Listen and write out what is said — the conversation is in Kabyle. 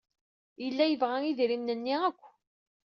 Yella yebɣa idrimen-nni akk.